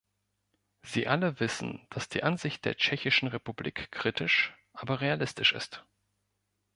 Sie alle wissen, dass die Ansicht der Tschechischen Republik kritisch, aber realistisch ist.